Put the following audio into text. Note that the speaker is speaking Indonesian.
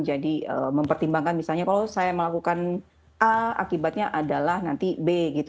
jadi mempertimbangkan misalnya kalau saya melakukan a akibatnya adalah nanti b gitu